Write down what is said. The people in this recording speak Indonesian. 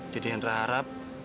jadi hendra harap